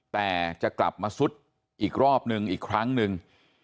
แต่จะกลับมาซุดอีกรอบนึงอีกครั้งหนึ่ง